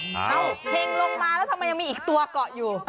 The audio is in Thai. เห็งลงมาแล้วทำไมยังมีอีกตัวเกาะอยู่